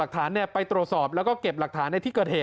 หลักฐานไปตรวจสอบแล้วก็เก็บหลักฐาน